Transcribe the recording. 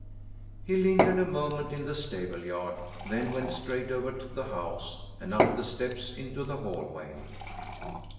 He lingered a moment in the stable yard, then went straight over to the house and up the steps into the hallway.